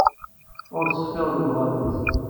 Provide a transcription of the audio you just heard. Ur ttṣeffir deg uɣerbaz.